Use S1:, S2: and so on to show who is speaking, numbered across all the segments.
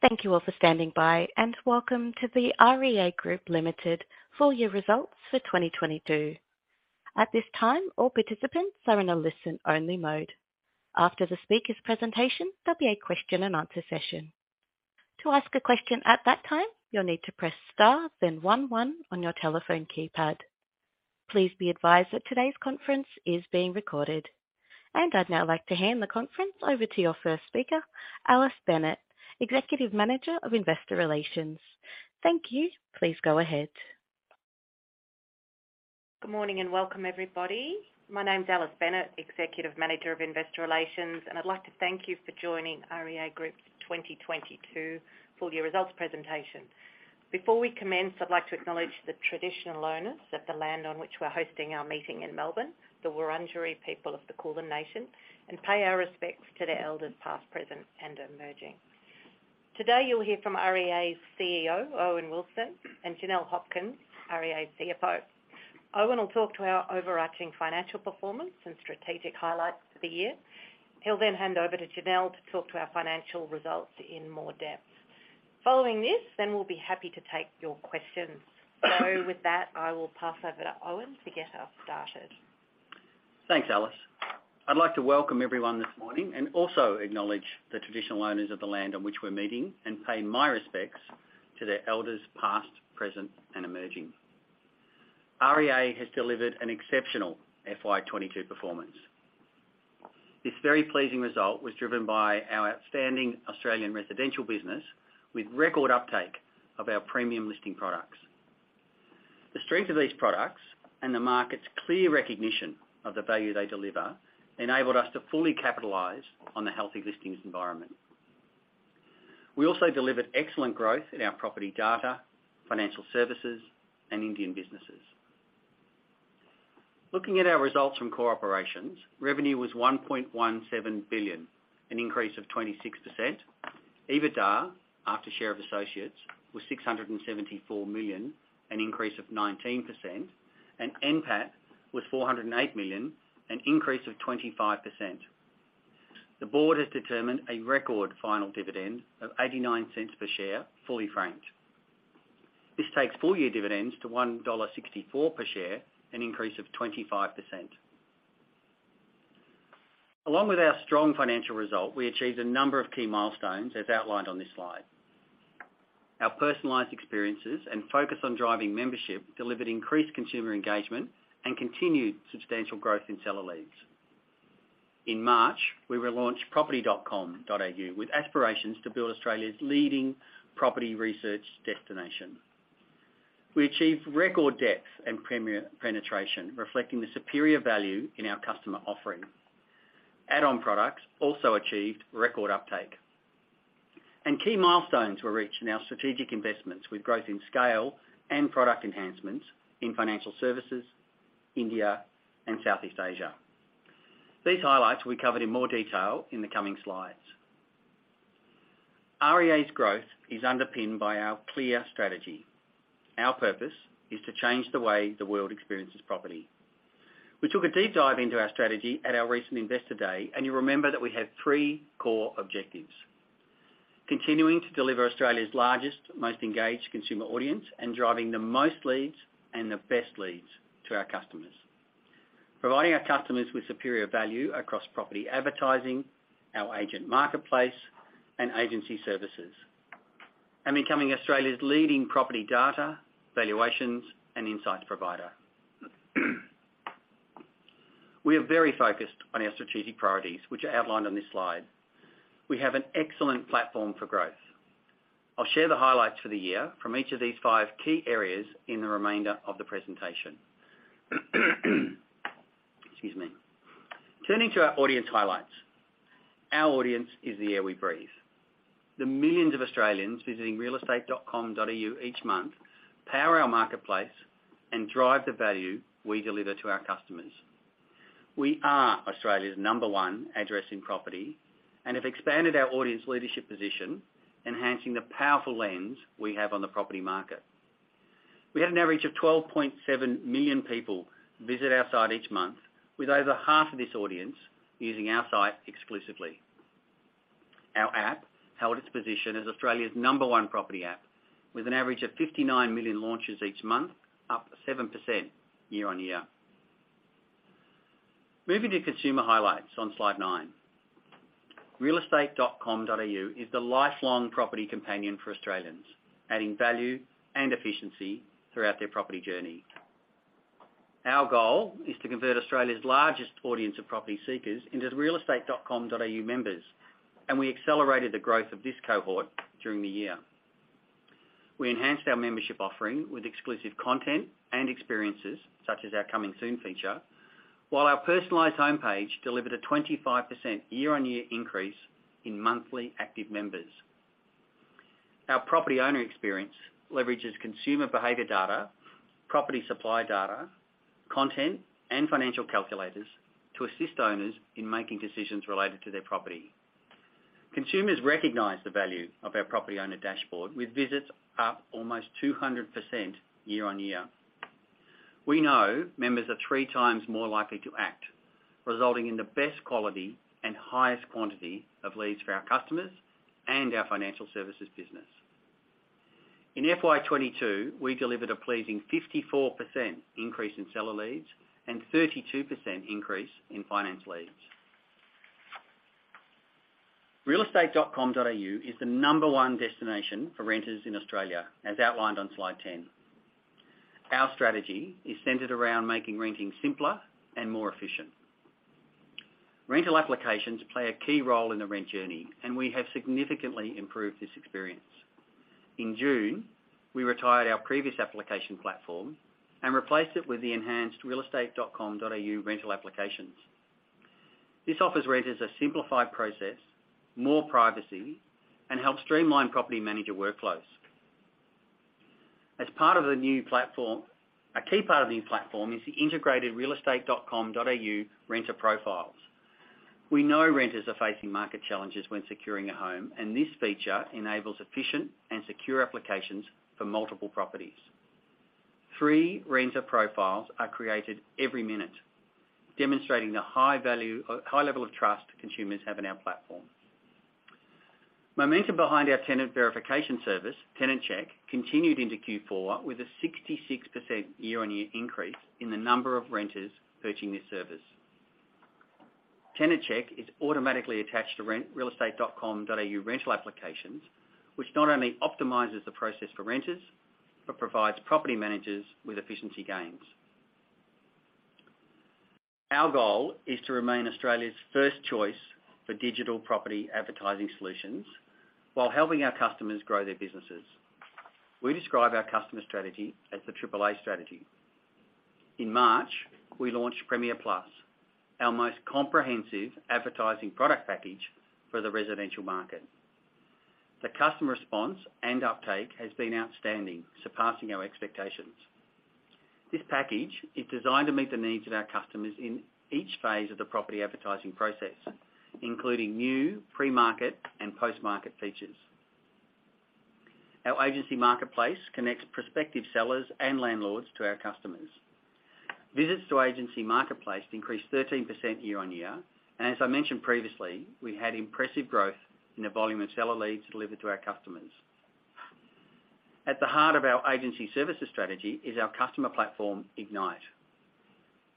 S1: Thank you all for standing by, and welcome to the REA Group Ltd full year results for 2022. At this time, all participants are in a listen-only mode. After the speaker's presentation, there'll be a question and answer session. To ask a question at that time, you'll need to press star then one on your telephone keypad. Please be advised that today's conference is being recorded. I'd now like to hand the conference over to your first speaker, Alice Bennett, Executive Manager of Investor Relations. Thank you. Please go ahead.
S2: Good morning and welcome everybody. My name's Alice Bennett, executive manager of investor relations, and I'd like to thank you for joining REA Group's 2022 full year results presentation. Before we commence, I'd like to acknowledge the traditional owners of the land on which we're hosting our meeting in Melbourne, the Wurundjeri people of the Kulin nation, and pay our respects to the elders past, present, and emerging. Today, you'll hear from REA's CEO, Owen Wilson, and Janelle Hopkins, REA's CFO. Owen will talk to our overarching financial performance and strategic highlights for the year. He'll then hand over to Janelle to talk to our financial results in more depth. Following this, we'll be happy to take your questions. With that, I will pass over to Owen to get us started.
S3: Thanks, Alice. I'd like to welcome everyone this morning and also acknowledge the traditional owners of the land on which we're meeting and pay my respects to the elders past, present, and emerging. REA has delivered an exceptional FY 2022 performance. This very pleasing result was driven by our outstanding Australian residential business with record uptake of our premium listing products. The strength of these products and the market's clear recognition of the value they deliver enabled us to fully capitalize on the healthy listings environment. We also delivered excellent growth in our property data, financial services, and Indian businesses. Looking at our results from corporations, revenue was 1.17 billion, an increase of 26%. EBITDA, after share of associates, was 674 million, an increase of 19%, and NPAT was 408 million, an increase of 25%. The board has determined a record final dividend of 0.89 per share, fully franked. This takes full-year dividends to 1.64 dollar per share, an increase of 25%. Along with our strong financial result, we achieved a number of key milestones, as outlined on this slide. Our personalized experiences and focus on driving membership delivered increased consumer engagement and continued substantial growth in seller leads. In March, we relaunched property.com.au with aspirations to build Australia's leading property research destination. We achieved record depth and Premiere penetration, reflecting the superior value in our customer offering. Add-on products also achieved record uptake. Key milestones were reached in our strategic investments with growth in scale and product enhancements in financial services, India, and Southeast Asia. These highlights will be covered in more detail in the coming slides. REA's growth is underpinned by our clear strategy. Our purpose is to change the way the world experiences property. We took a deep dive into our strategy at our recent Investor Day, and you remember that we have three core objectives. Continuing to deliver Australia's largest, most engaged consumer audience and driving the most leads and the best leads to our customers. Providing our customers with superior value across property advertising, our agent marketplace, and agency services. Becoming Australia's leading property data, valuations, and insights provider. We are very focused on our strategic priorities, which are outlined on this slide. We have an excellent platform for growth. I'll share the highlights for the year from each of these five key areas in the remainder of the presentation. Excuse me. Turning to our audience highlights. Our audience is the air we breathe. The millions of Australians visiting realestate.com.au each month power our marketplace and drive the value we deliver to our customers. We are Australia's number one address in property and have expanded our audience leadership position, enhancing the powerful lens we have on the property market. We have an average of 12.7 million people visit our site each month, with over half of this audience using our site exclusively. Our app held its position as Australia's number one property app with an average of 59 million launches each month, up 7% year-on-year. Moving to consumer highlights on slide nine. realestate.com.au is the lifelong property companion for Australians, adding value and efficiency throughout their property journey. Our goal is to convert Australia's largest audience of property seekers into realestate.com.au members, and we accelerated the growth of this cohort during the year. We enhanced our membership offering with exclusive content and experiences, such as our Coming Soon feature, while our personalized homepage delivered a 25% year-on-year increase in monthly active members. Our property owner experience leverages consumer behavior data, property supply data, content, and financial calculators to assist owners in making decisions related to their property. Consumers recognize the value of our property owner dashboard with visits up almost 200% year-on-year. We know members are three times more likely to act, resulting in the best quality and highest quantity of leads for our customers and our financial services business. In FY 2022, we delivered a pleasing 54% increase in seller leads and 32% increase in finance leads. realestate.com.au is the number one destination for renters in Australia, as outlined on slide 10. Our strategy is centered around making renting simpler and more efficient. Rental applications play a key role in the rent journey, and we have significantly improved this experience. In June, we retired our previous application platform and replaced it with the enhanced realestate.com.au rental applications. This offers renters a simplified process, more privacy, and helps streamline property manager workflows. As part of the new platform, a key part of the new platform is the integrated realestate.com.au renter profiles. We know renters are facing market challenges when securing a home, and this feature enables efficient and secure applications for multiple properties. Three renter profiles are created every minute, demonstrating the high value, high level of trust consumers have in our platform. Momentum behind our tenant verification service, Tenant Check, continued into Q4 with a 66% year-on-year increase in the number of renters purchasing this service. Tenant Check is automatically attached to rental realestate.com.au rental applications, which not only optimizes the process for renters, but provides property managers with efficiency gains. Our goal is to remain Australia's first choice for digital property advertising solutions while helping our customers grow their businesses. We describe our customer strategy as the AAA strategy. In March, we launched Premiere+, our most comprehensive advertising product package for the residential market. The customer response and uptake has been outstanding, surpassing our expectations. This package is designed to meet the needs of our customers in each phase of the property advertising process, including new pre-market and post-market features. Our Agency Marketplace connects prospective sellers and landlords to our customers. Visits to Agency Marketplace increased 13% year-on-year, and as I mentioned previously, we had impressive growth in the volume of seller leads delivered to our customers. At the heart of our agency services strategy is our customer platform, Ignite.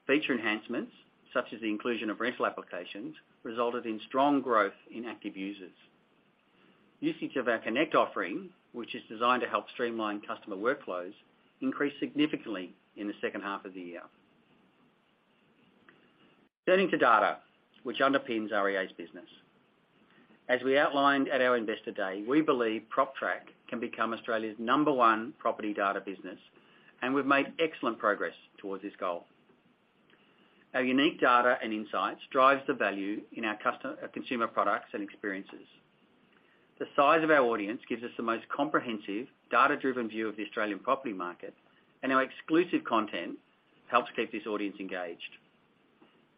S3: Feature enhancements, such as the inclusion of rental applications, resulted in strong growth in active users. Usage of our Connect offering, which is designed to help streamline customer workflows, increased significantly in the second half of the year. Turning to data which underpins REA's business. As we outlined at our Investor Day, we believe PropTrack can become Australia's number one property data business, and we've made excellent progress towards this goal. Our unique data and insights drives the value in our consumer products and experiences. The size of our audience gives us the most comprehensive, data-driven view of the Australian property market, and our exclusive content helps keep this audience engaged.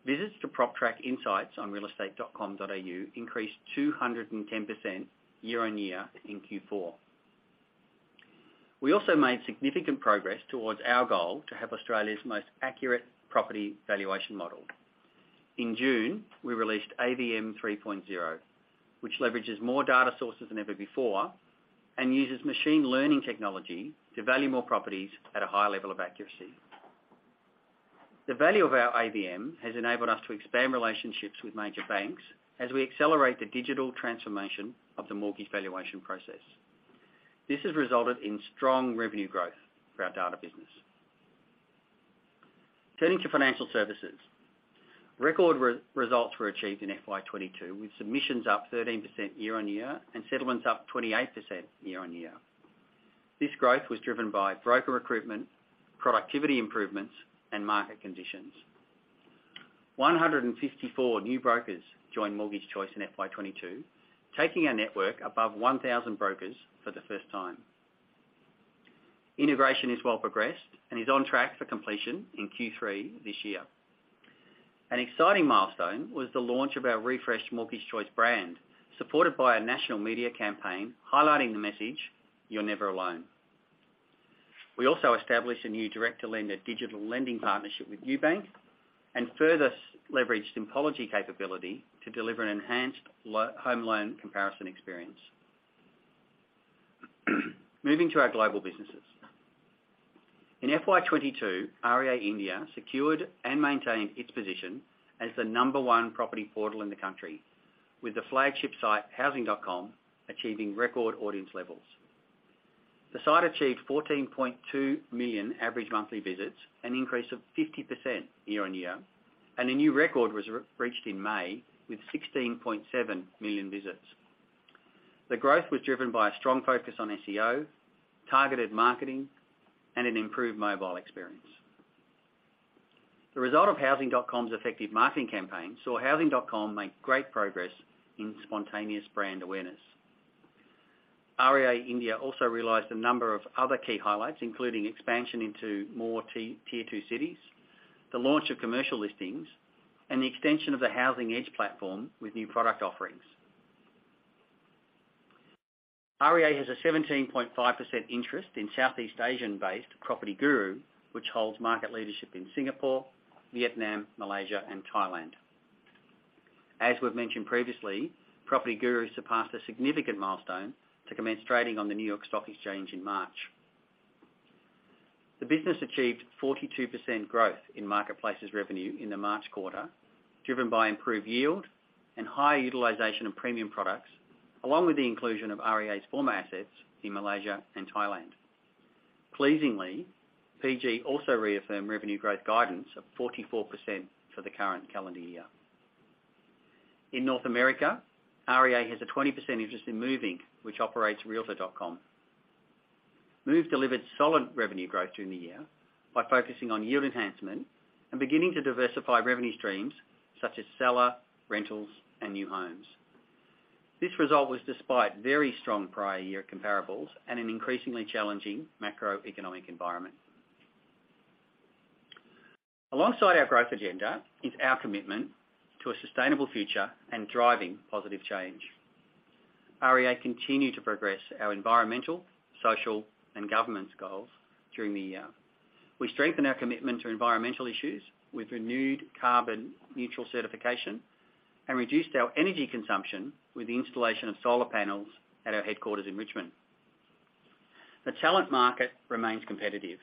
S3: Visits to PropTrack Insights on realestate.com.au increased 210% year-on-year in Q4. We also made significant progress towards our goal to have Australia's most accurate property valuation model. In June, we released AVM 3.0, which leverages more data sources than ever before and uses machine learning technology to value more properties at a high level of accuracy. The value of our AVM has enabled us to expand relationships with major banks as we accelerate the digital transformation of the mortgage valuation process. This has resulted in strong revenue growth for our data business. Turning to financial services, record results were achieved in FY 2022, with submissions up 13% year-on-year and settlements up 28% year-on-year. This growth was driven by broker recruitment, productivity improvements, and market conditions. 154 new brokers joined Mortgage Choice in FY 2022, taking our network above 1,000 brokers for the first time. Integration is well progressed and is on track for completion in Q3 this year. An exciting milestone was the launch of our refreshed Mortgage Choice brand, supported by a national media campaign highlighting the message, "You're never alone." We also established a new direct-to-lender digital lending partnership with ubank and further leveraged Simpology capability to deliver an enhanced home loan comparison experience. Moving to our global businesses. In FY 2022, REA India secured and maintained its position as the number one property portal in the country, with the flagship site, Housing.com, achieving record audience levels. The site achieved 14.2 million average monthly visits, an increase of 50% year-on-year, and a new record was reached in May with 16.7 million visits. The growth was driven by a strong focus on SEO, targeted marketing, and an improved mobile experience. The result of Housing.com's effective marketing campaign saw Housing.com make great progress in spontaneous brand awareness. REA India also realized a number of other key highlights, including expansion into more tier-two cities, the launch of commercial listings, and the extension of the Housing Edge platform with new product offerings. REA has a 17.5% interest in Southeast Asian-based PropertyGuru, which holds market leadership in Singapore, Vietnam, Malaysia, and Thailand. As we've mentioned previously, PropertyGuru surpassed a significant milestone to commence trading on the New York Stock Exchange in March. The business achieved 42% growth in marketplaces revenue in the March quarter, driven by improved yield and high utilization of premium products, along with the inclusion of REA's former assets in Malaysia and Thailand. Pleasingly, PG also reaffirmed revenue growth guidance of 44% for the current calendar year. In North America, REA has a 20% interest in Move, Inc, which operates realtor.com. Move delivered solid revenue growth during the year by focusing on yield enhancement and beginning to diversify revenue streams such as seller, rentals, and new homes. This result was despite very strong prior year comparables and an increasingly challenging macroeconomic environment. Alongside our growth agenda is our commitment to a sustainable future and driving positive change. REA continued to progress our environmental, social, and governance goals during the year. We strengthened our commitment to environmental issues with renewed carbon neutral certification and reduced our energy consumption with the installation of solar panels at our headquarters in Richmond. The talent market remains competitive.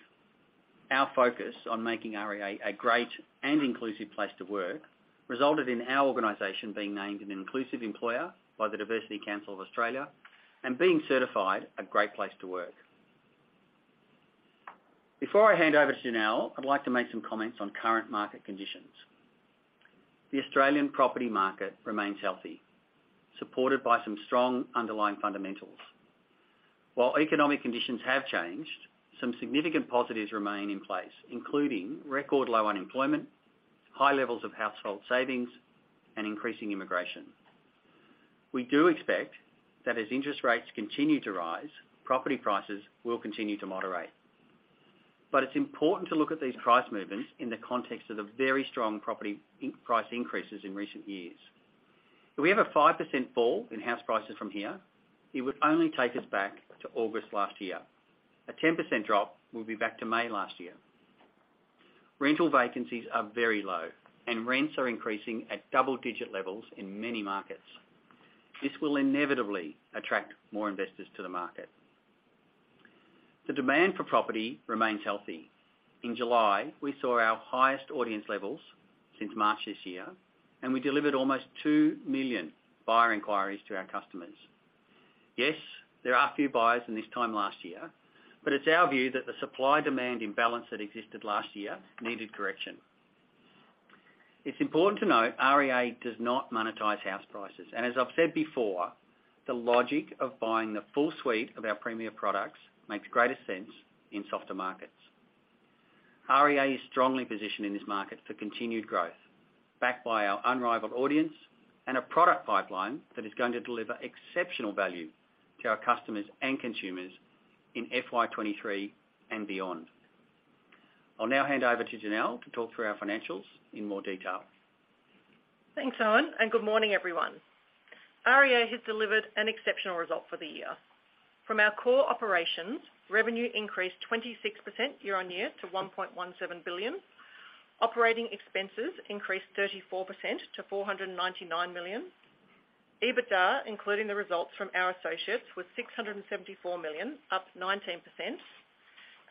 S3: Our focus on making REA a great and inclusive place to work resulted in our organization being named an inclusive employer by the Diversity Council of Australia and being certified a great place to work. Before I hand over to Janelle, I'd like to make some comments on current market conditions. The Australian property market remains healthy, supported by some strong underlying fundamentals. While economic conditions have changed, some significant positives remain in place, including record low unemployment, high levels of household savings, and increasing immigration. We do expect that as interest rates continue to rise, property prices will continue to moderate. It's important to look at these price movements in the context of the very strong property price increases in recent years. If we have a 5% fall in house prices from here, it would only take us back to August last year. A 10% drop will be back to May last year. Rental vacancies are very low, and rents are increasing at double-digit levels in many markets. This will inevitably attract more investors to the market. The demand for property remains healthy. In July, we saw our highest audience levels since March this year, and we delivered almost 2 million buyer inquiries to our customers. Yes, there are fewer buyers than this time last year, but it's our view that the supply-demand imbalance that existed last year needed correction. It's important to note REA does not monetize house prices, and as I've said before, the logic of buying the full suite of our premier products makes greater sense in softer markets. REA is strongly positioned in this market for continued growth, backed by our unrivaled audience and a product pipeline that is going to deliver exceptional value to our customers and consumers in FY 2023 and beyond. I'll now hand over to Janelle to talk through our financials in more detail.
S4: Thanks, Owen, and good morning, everyone. REA has delivered an exceptional result for the year. From our core operations, revenue increased 26% year-on-year to 1.17 billion. Operating expenses increased 34% to 499 million. EBITDA, including the results from our associates, was 674 million, up 19%.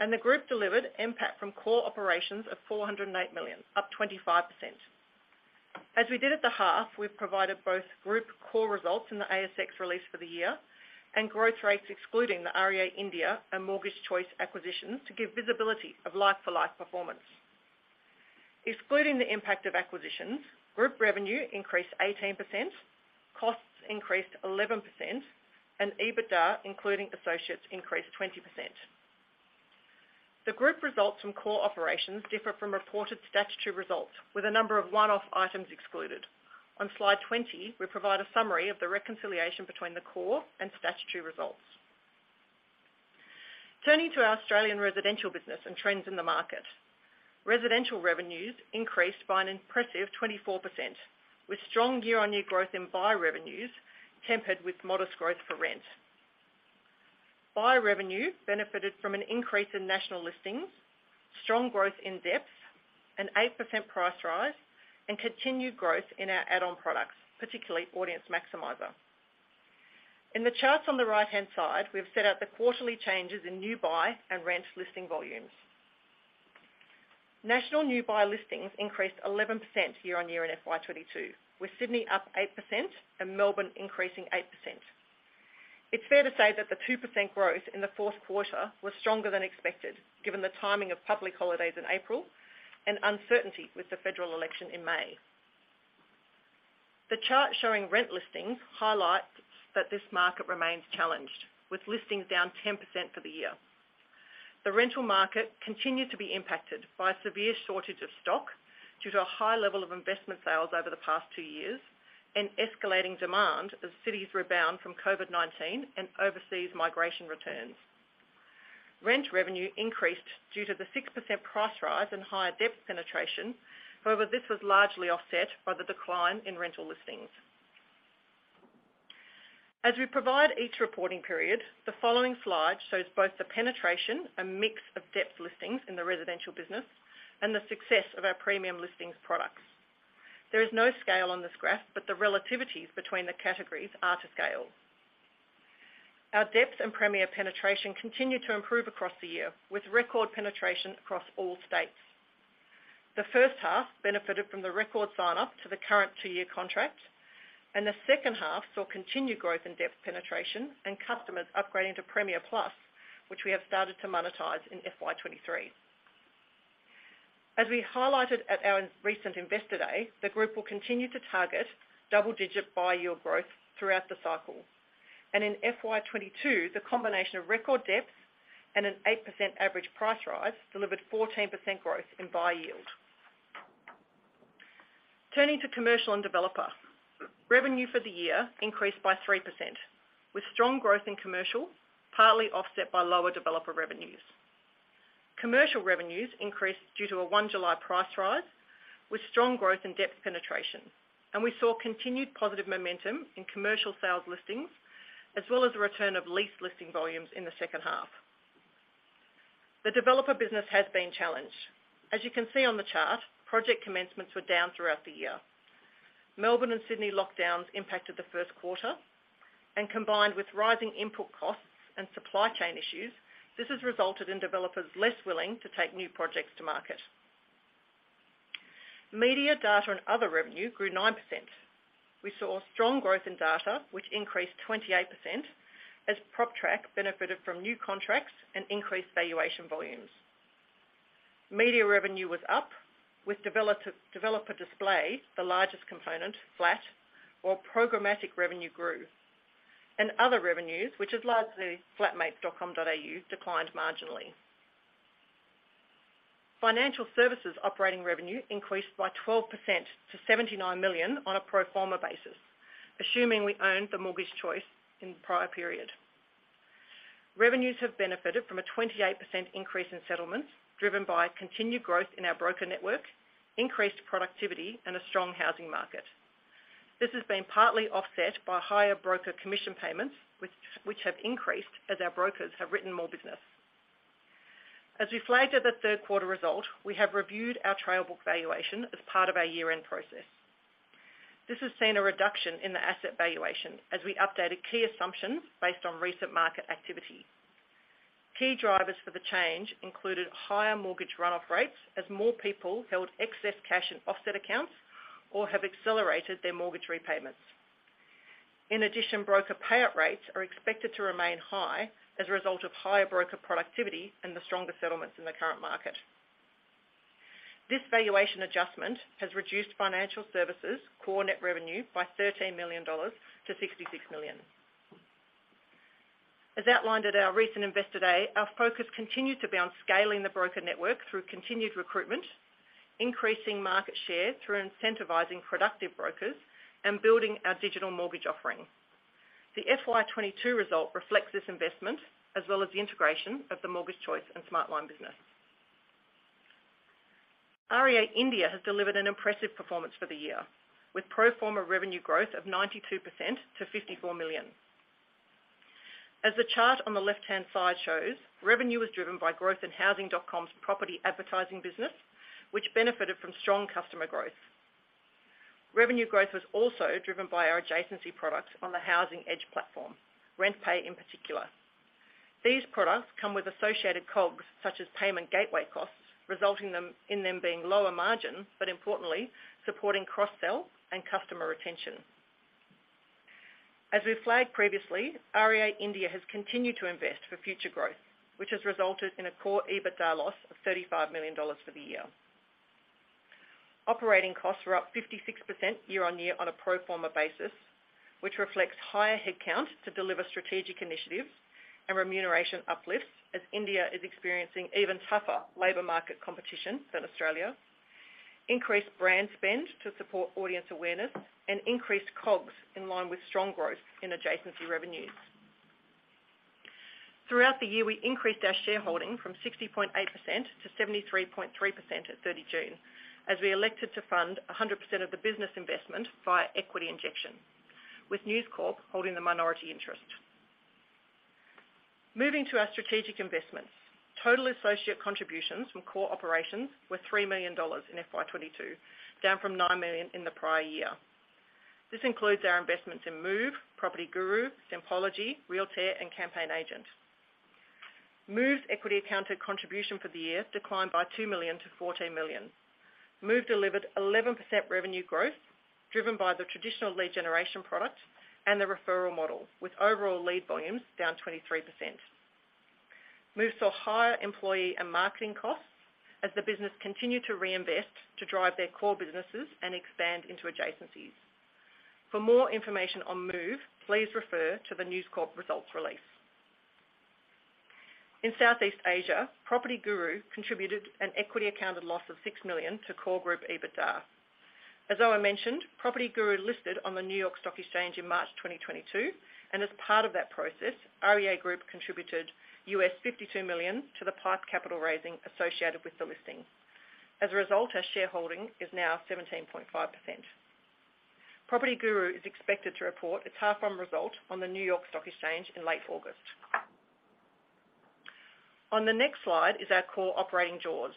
S4: The group delivered NPAT from core operations of 408 million, up 25%. As we did at the half, we've provided both group core results in the ASX release for the year and growth rates excluding the REA India and Mortgage Choice acquisitions to give visibility of like-for-like performance. Excluding the impact of acquisitions, group revenue increased 18%, costs increased 11%, and EBITDA, including associates, increased 20%. The group results from core operations differ from reported statutory results, with a number of one-off items excluded. On slide 20, we provide a summary of the reconciliation between the core and statutory results. Turning to our Australian residential business and trends in the market. Residential revenues increased by an impressive 24%, with strong year-on-year growth in buy revenues tempered with modest growth for rent. Buy revenue benefited from an increase in national listings, strong growth in depth, an 8% price rise, and continued growth in our add-on products, particularly Audience Maximiser. In the charts on the right-hand side, we've set out the quarterly changes in new buy and rent listing volumes. National new buy listings increased 11% year-on-year in FY 2022, with Sydney up 8% and Melbourne increasing 8%. It's fair to say that the 2% growth in the fourth quarter was stronger than expected, given the timing of public holidays in April and uncertainty with the federal election in May. The chart showing rent listings highlights that this market remains challenged, with listings down 10% for the year. The rental market continued to be impacted by a severe shortage of stock due to a high level of investment sales over the past two years and escalating demand as cities rebound from COVID-19 and overseas migration returns. Rent revenue increased due to the 6% price rise and higher depth penetration. However, this was largely offset by the decline in rental listings. As we provide each reporting period, the following slide shows both the penetration and mix of depth listings in the residential business and the success of our Premium listings products. There is no scale on this graph, but the relativities between the categories are to scale. Our depth and Premiere penetration continued to improve across the year, with record penetration across all states. The first half benefited from the record sign-up to the current two-year contract, and the second half saw continued growth in depth penetration and customers upgrading to Premiere+, which we have started to monetize in FY 2023. As we highlighted at our recent Investor Day, the group will continue to target double-digit buyer growth throughout the cycle. In FY 2022, the combination of record depth and an 8% average price rise delivered 14% growth in buyer yield. Turning to commercial and developer. Revenue for the year increased by 3%, with strong growth in commercial, partly offset by lower developer revenues. Commercial revenues increased due to a 1 July price rise, with strong growth in depth penetration, and we saw continued positive momentum in commercial sales listings, as well as the return of lease listing volumes in the second half. The developer business has been challenged. As you can see on the chart, project commencements were down throughout the year. Melbourne and Sydney lockdowns impacted the first quarter, and combined with rising input costs and supply chain issues, this has resulted in developers less willing to take new projects to market. Media, data, and other revenue grew 9%. We saw strong growth in data, which increased 28% as PropTrack benefited from new contracts and increased valuation volumes. Media revenue was up with developer display, the largest component, flat, while programmatic revenue grew. Other revenues, which is largely Flatmates.com.au, declined marginally. Financial services operating revenue increased by 12% to 79 million on a pro forma basis, assuming we owned the Mortgage Choice in the prior period. Revenues have benefited from a 28% increase in settlements driven by continued growth in our broker network, increased productivity, and a strong housing market. This has been partly offset by higher broker commission payments, which have increased as our brokers have written more business. We flagged at the third quarter result, we have reviewed our trial book valuation as part of our year-end process. This has seen a reduction in the asset valuation as we updated key assumptions based on recent market activity. Key drivers for the change included higher mortgage run-off rates as more people held excess cash in offset accounts or have accelerated their mortgage repayments. In addition, broker payout rates are expected to remain high as a result of higher broker productivity and the stronger settlements in the current market. This valuation adjustment has reduced financial services core net revenue by 13 million dollars to 66 million. As outlined at our recent Investor Day, our focus continued to be on scaling the broker network through continued recruitment, increasing market share through incentivizing productive brokers, and building our digital mortgage offering. The FY 2022 result reflects this investment, as well as the integration of the Mortgage Choice and Smartline business. REA India has delivered an impressive performance for the year, with pro forma revenue growth of 92% to 54 million. As the chart on the left-hand side shows, revenue was driven by growth in Housing.com's property advertising business, which benefited from strong customer growth. Revenue growth was also driven by our adjacency products on the Housing Edge platform, Rent Pay in particular. These products come with associated COGS, such as payment gateway costs, resulting in them being lower margin, but importantly, supporting cross-sell and customer retention. As we flagged previously, REA India has continued to invest for future growth, which has resulted in a core EBITDA loss of 35 million dollars for the year. Operating costs were up 56% year-on-year on a pro forma basis, which reflects higher headcount to deliver strategic initiatives and remuneration uplifts as India is experiencing even tougher labor market competition than Australia, increased brand spend to support audience awareness, and increased COGS in line with strong growth in adjacency revenues. Throughout the year, we increased our shareholding from 60.8% to 73.3% at 30 June, as we elected to fund 100% of the business investment via equity injection, with News Corp holding the minority interest. Moving to our strategic investments. Total associate contributions from core operations were 3 million dollars in FY 2022, down from 9 million in the prior year. This includes our investments in Move, PropertyGuru, Simpology, realtor.com, and CampaignAgent. Move's equity accounted contribution for the year declined by 2 million to 14 million. Move delivered 11% revenue growth driven by the traditional lead generation product and the referral model, with overall lead volumes down 23%. Move saw higher employee and marketing costs as the business continued to reinvest to drive their core businesses and expand into adjacencies. For more information on Move, please refer to the News Corp results release. In Southeast Asia, PropertyGuru contributed an equity accounted loss of 6 million to core group EBITDA. As Owen mentioned, PropertyGuru listed on the New York Stock Exchange in March 2022, and as part of that process, REA Group contributed $52 million to the PIPE capital raising associated with the listing. As a result, our shareholding is now 17.5%. PropertyGuru is expected to report its half-year results on the New York Stock Exchange in late August. On the next slide is our core operating jaws.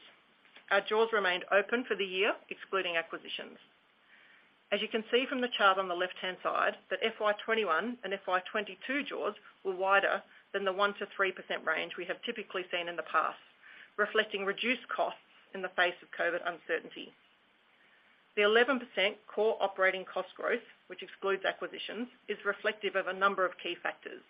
S4: Our jaws remained open for the year, excluding acquisitions. As you can see from the chart on the left-hand side, that FY 2021 and FY 2022 jaws were wider than the 1%-3% range we have typically seen in the past, reflecting reduced costs in the face of COVID uncertainty. The 11% core operating cost growth, which excludes acquisitions, is reflective of a number of key factors.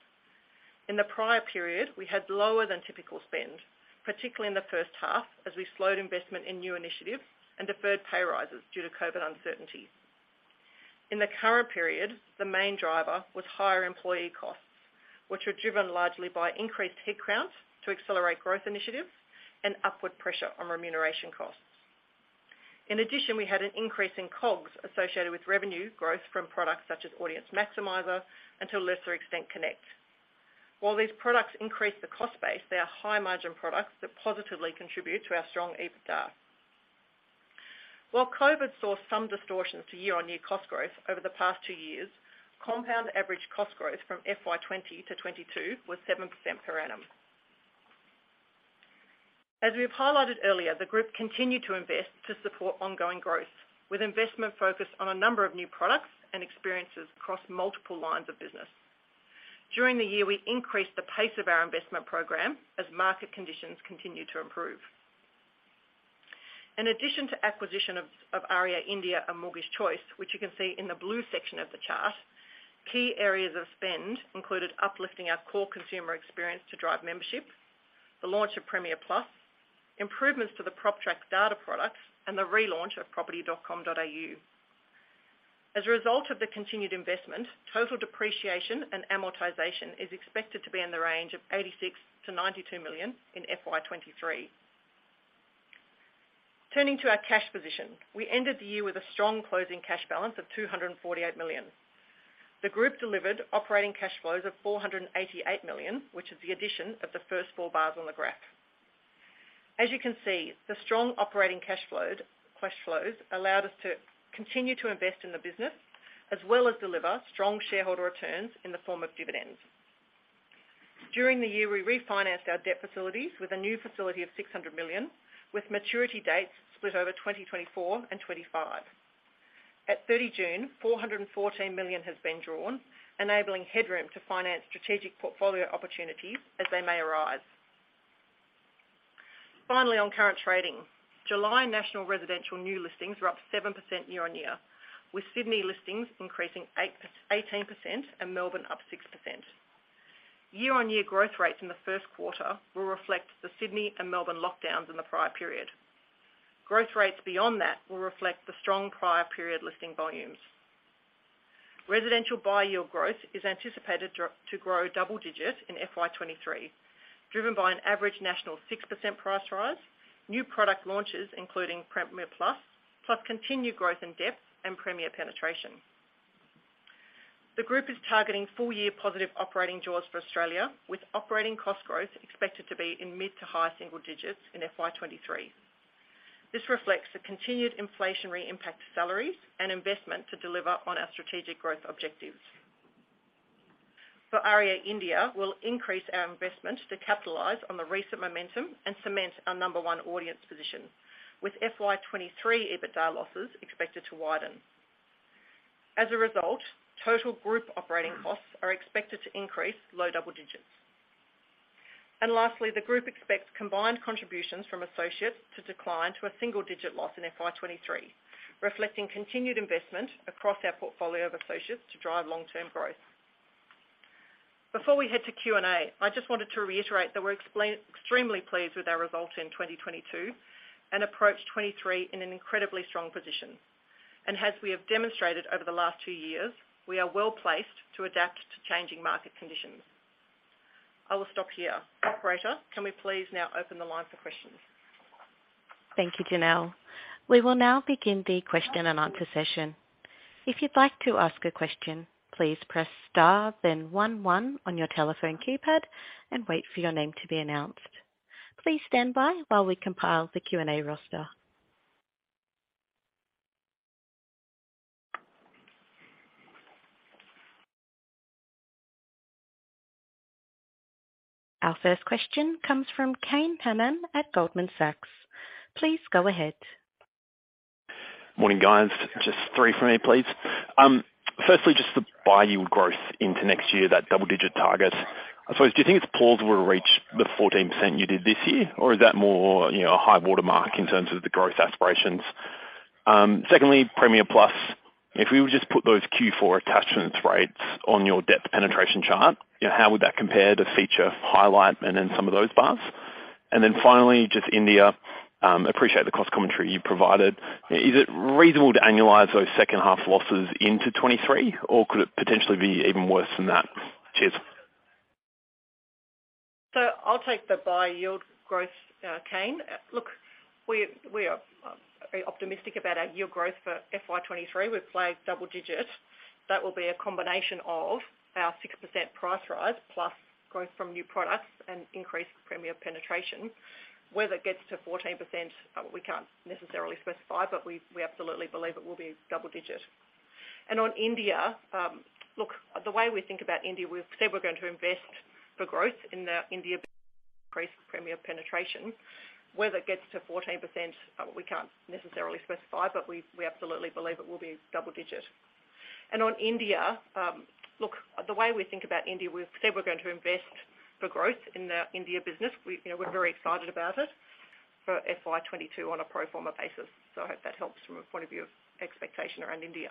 S4: In the prior period, we had lower than typical spend, particularly in the first half as we slowed investment in new initiatives and deferred pay rises due to COVID uncertainty. In the current period, the main driver was higher employee costs, which were driven largely by increased headcounts to accelerate growth initiatives and upward pressure on remuneration costs. In addition, we had an increase in COGS associated with revenue growth from products such as Audience Maximiser and to a lesser extent, Connect. While these products increase the cost base, they are high margin products that positively contribute to our strong EBITDA. While COVID saw some distortions to year-on-year cost growth over the past two years, compound average cost growth from FY 2020-FY 2022 was 7% per annum. As we have highlighted earlier, the group continued to invest to support ongoing growth, with investment focused on a number of new products and experiences across multiple lines of business. During the year, we increased the pace of our investment program as market conditions continued to improve. In addition to acquisition of REA India and Mortgage Choice, which you can see in the blue section of the chart, key areas of spend included uplifting our core consumer experience to drive membership, the launch of Premiere+, improvements to the PropTrack data products, and the relaunch of property.com.au. As a result of the continued investment, total depreciation and amortization is expected to be in the range of 86 million-92 million in FY 2023. Turning to our cash position. We ended the year with a strong closing cash balance of 248 million. The group delivered operating cash flows of 488 million, which is the addition of the first four bars on the graph. As you can see, the strong operating cash flow, cash flows allowed us to continue to invest in the business as well as deliver strong shareholder returns in the form of dividends. During the year, we refinanced our debt facilities with a new facility of 600 million, with maturity dates split over 2024 and 2025. At 30 June, 414 million has been drawn, enabling headroom to finance strategic portfolio opportunities as they may arise. Finally, on current trading, July national residential new listings were up 7% year-on-year, with Sydney listings increasing 8%, 18% and Melbourne up 6%. Year-on-year growth rates in the first quarter will reflect the Sydney and Melbourne lockdowns in the prior period. Growth rates beyond that will reflect the strong prior period listing volumes. Residential buy yield growth is anticipated to grow double digits in FY 2023, driven by an average national 6% price rise, new product launches including Premiere+, plus continued growth in depth and Premiere penetration. The group is targeting full-year positive operating jaws for Australia, with operating cost growth expected to be in mid- to high-single digits in FY 2023. This reflects the continued inflationary impact to salaries and investment to deliver on our strategic growth objectives. For REA India, we'll increase our investment to capitalize on the recent momentum and cement our number one audience position, with FY 2023 EBITDA losses expected to widen. As a result, total group operating costs are expected to increase low double digits. Lastly, the group expects combined contributions from associates to decline to a single digit loss in FY 2023, reflecting continued investment across our portfolio of associates to drive long-term growth. Before we head to Q&A, I just wanted to reiterate that we're extremely pleased with our results in 2022 and approach 2023 in an incredibly strong position. As we have demonstrated over the last two years, we are well-placed to adapt to changing market conditions. I will stop here. Operator, can we please now open the line for questions?
S1: Thank you, Janelle. We will now begin the question and answer session. If you'd like to ask a question, please press star then one one on your telephone keypad and wait for your name to be announced. Please stand by while we compile the Q&A roster. Our first question comes from Kane Hannan at Goldman Sachs. Please go ahead.
S5: Morning, guys. Just three for me, please. Firstly, just the buy yield growth into next year, that double-digit target. I suppose, do you think its pulls will reach the 14% you did this year? Or is that more, you know, a high watermark in terms of the growth aspirations? Secondly, Premiere+, if we would just put those Q4 attachment rates on your depth penetration chart, you know, how would that compare to Feature, Highlight, and then some of those bars? Then finally, just India, appreciate the cost commentary you provided. Is it reasonable to annualize those second half losses into 2023, or could it potentially be even worse than that? Cheers.
S4: I'll take the buy yield growth, Kane. Look, we are very optimistic about our yield growth for FY 2023. We've flagged double digit. That will be a combination of our 6% price rise, plus growth from new products and increased Premiere penetration. Whether it gets to 14%, we can't necessarily specify, but we absolutely believe it will be double digit. On India, look, the way we think about India, we've said we're going to invest for growth in the India business. We, you know, we're very excited about it for FY 2022 on a pro forma basis. I hope that helps from a point of view of expectation around India.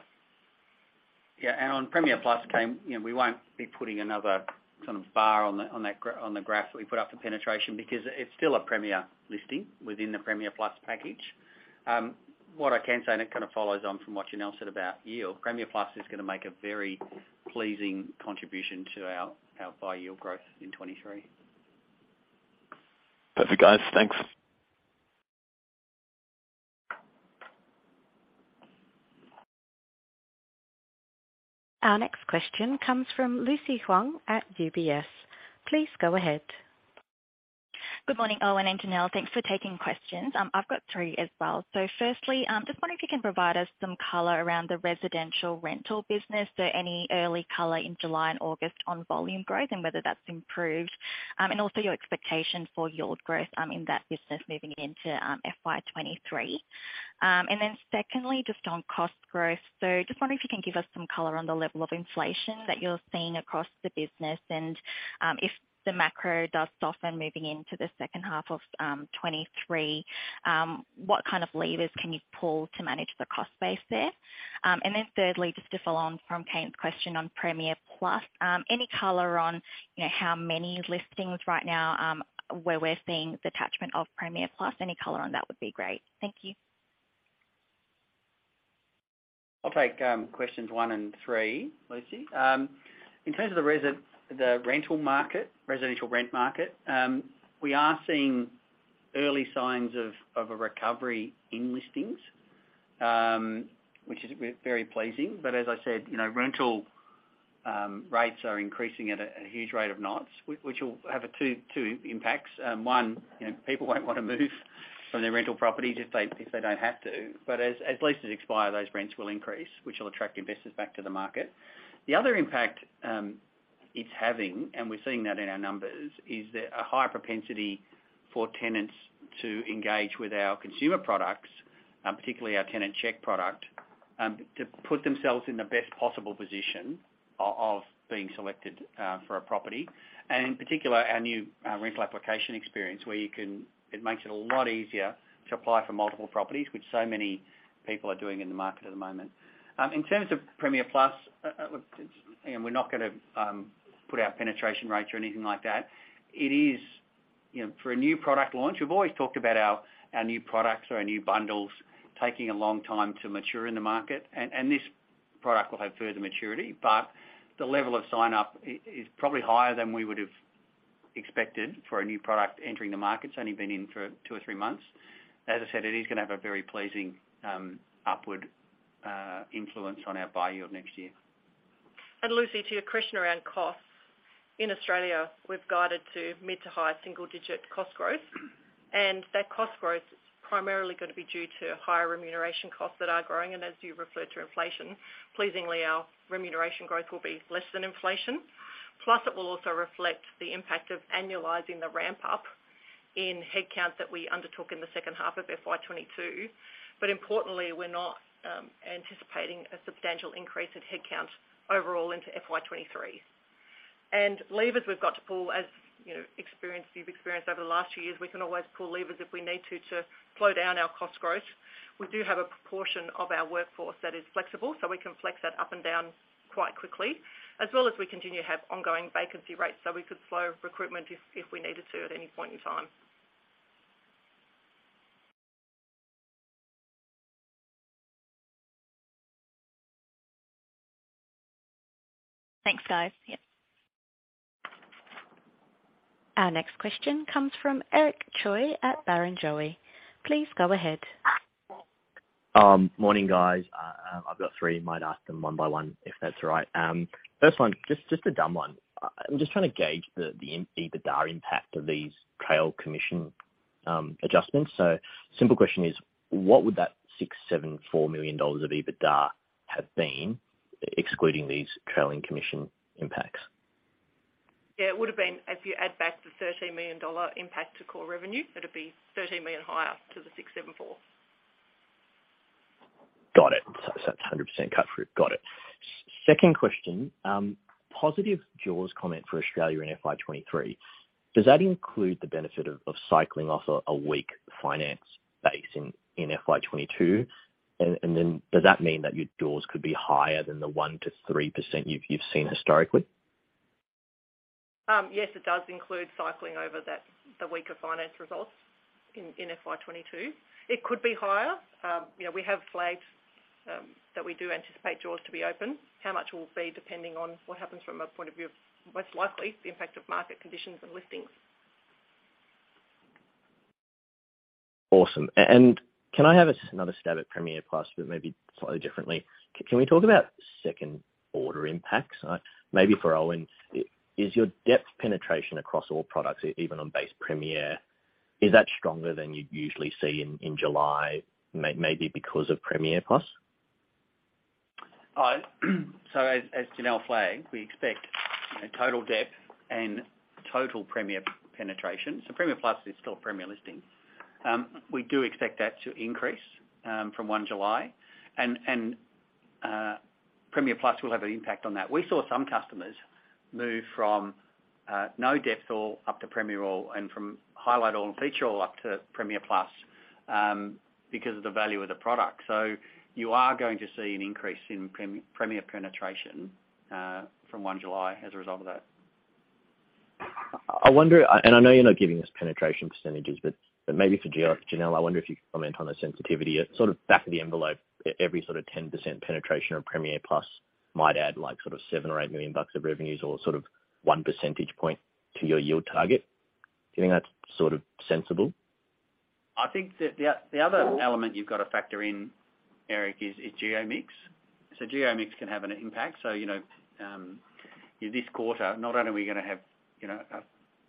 S3: Yeah. On Premiere+, Kane, you know, we won't be putting another kind of bar on the graph that we put up for penetration because it's still a Premiere listing within the Premiere+ package. What I can say, it kind of follows on from what Janelle said about yield. Premiere+ is gonna make a very pleasing contribution to our buy yield growth in 2023.
S5: Perfect, guys. Thanks.
S1: Our next question comes from Lucy Huang at UBS. Please go ahead.
S6: Good morning, Owen and Janelle. Thanks for taking questions. I've got three as well. Firstly, just wondering if you can provide us some color around the residential rental business. Any early color in July and August on volume growth and whether that's improved, and also your expectation for yield growth, in that business moving into FY 2023. Secondly, just on cost growth. Just wondering if you can give us some color on the level of inflation that you're seeing across the business and, if the macro does soften moving into the second half of 2023, what kind of levers can you pull to manage the cost base there Thirdly, just to follow on from Kane's question on Premiere+, any color on, you know, how many listings right now, where we're seeing the attachment of Premiere+? Any color on that would be great. Thank you.
S3: I'll take questions one and three, Lucy. In terms of the rental market, residential rent market, we are seeing early signs of a recovery in listings, which is very pleasing. As I said, you know, rental rates are increasing at a huge rate of knots, which will have two impacts. One, you know, people won't wanna move from their rental properties if they don't have to. As leases expire, those rents will increase, which will attract investors back to the market. The other impact it's having, and we're seeing that in our numbers, is a higher propensity for tenants to engage with our consumer products, particularly our Tenant Check product, to put themselves in the best possible position of being selected for a property. In particular, our new rental application experience, it makes it a lot easier to apply for multiple properties, which so many people are doing in the market at the moment. In terms of Premiere+, look, it's and we're not gonna put our penetration rates or anything like that. It is, you know, for a new product launch, we've always talked about our new products or our new bundles taking a long time to mature in the market and this product will have further maturity. But the level of sign-up is probably higher than we would've expected for a new product entering the market. It's only been in for two or three months. As I said, it is gonna have a very pleasing upward influence on our buy yield next year.
S4: Lucy, to your question around costs, in Australia, we've guided to mid- to high-single-digit cost growth. That cost growth is primarily gonna be due to higher remuneration costs that are growing. As you referred to inflation, pleasingly, our remuneration growth will be less than inflation. Plus it will also reflect the impact of annualizing the ramp up in headcount that we undertook in the second half of FY 2022. Importantly, we're not anticipating a substantial increase in headcount overall into FY 2023. Levers we've got to pull, as you know, you've experienced over the last two years, we can always pull levers if we need to slow down our cost growth. We do have a proportion of our workforce that is flexible, so we can flex that up and down quite quickly, as well as we continue to have ongoing vacancy rates, so we could slow recruitment if we needed to at any point in time.
S6: Thanks, guys. Yeah.
S1: Our next question comes from Eric Choi at Barrenjoey. Please go ahead.
S7: Morning, guys. I've got three. Might ask them one by one, if that's all right. First one, just a dumb one. I'm just trying to gauge the EBITDA impact of these trailing commission adjustments. Simple question is, what would that 674 million dollars of EBITDA have been excluding these trailing commission impacts?
S4: Yeah. It would've been, if you add back the 13 million dollar impact to core revenue, it'd be 13 million higher to the 674 million.
S7: Got it. It's 100% cut through. Got it. Second question. Positive jaws comment for Australia in FY 2023. Does that include the benefit of cycling off a weak finance base in FY 2022? Does that mean that your jaws could be higher than the 1%-3% you've seen historically?
S4: Yes, it does include cycling over that, the weaker financial results in FY 2022. It could be higher. You know, we have flagged that we do anticipate drawdowns to be open. How much will be depending on what happens from a point of view, most likely the impact of market conditions and listings.
S7: Awesome. Can I have another stab at Premiere+, but maybe slightly differently? Can we talk about second order impacts? Maybe for Owen. Is your depth penetration across all products, even on base Premiere, is that stronger than you'd usually see in July maybe because of Premiere+?
S3: As Janelle flagged, we expect, you know, total depth and total Premiere penetration. Premiere+ is still Premiere listing. We do expect that to increase from 1 July. Premiere+ will have an impact on that. We saw some customers move from no depth at all up to Premiere All, and from Highlight All and Feature All up to Premiere+, because of the value of the product. You are going to see an increase in Premiere penetration from 1 July as a result of that.
S7: I wonder, I know you're not giving us penetration percentages, but maybe for Janelle, I wonder if you could comment on the sensitivity. At sort of back of the envelope every sort of 10% penetration of Premiere+ might add like sort of 7 million or 8 million bucks of revenues or sort of 1 percentage point to your yield target. Do you think that's sort of sensible?
S3: I think the other element you've got to factor in, Eric, is geo mix. Geo mix can have an impact. You know, in this quarter, not only are we gonna have, you know,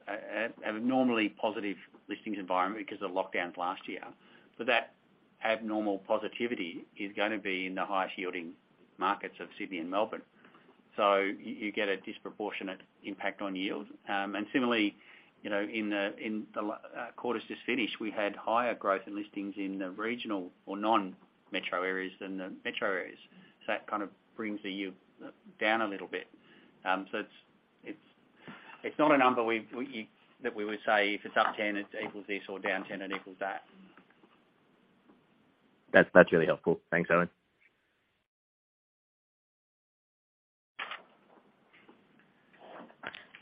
S3: an abnormally positive listings environment because of lockdowns last year, but that abnormal positivity is gonna be in the highest yielding markets of Sydney and Melbourne. You get a disproportionate impact on yield. And similarly, you know, in the quarter just finished, we had higher growth in listings in the regional or non-metro areas than the metro areas. That kind of brings the yield down a little bit. It's not a number that we would say if it's up 10, it equals this or down 10, it equals that.
S7: That's really helpful. Thanks, Owen.